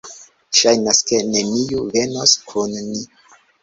Ŝajnas, ke neniu venos kun ni